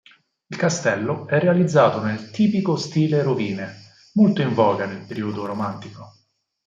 Il castello è realizzato nel tipico stile "rovine", molto in voga nel periodo romantico.